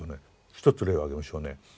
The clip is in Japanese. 一つ例を挙げましょうね。